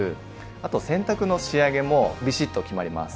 あと洗濯の仕上げもビシッと決まります。